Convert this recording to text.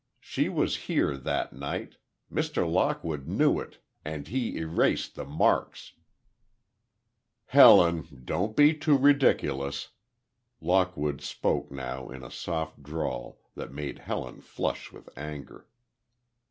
She was here that night—Mr. Lockwood knew it—and he erased the marks—" "Helen, don't be too ridiculous!" Lockwood spoke now in a soft drawl, that made Helen flush with anger.